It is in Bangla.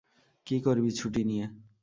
কী করবি ছুটি নিয়ে?